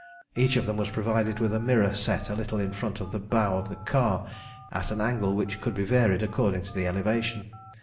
Each of them was provided with a mirror set a little in front of the bow of the car, at an angle which could be varied according to the elevation.